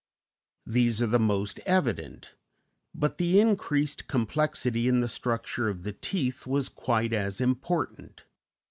These are the most evident; but the increased complexity in the structure of the teeth was quite as important.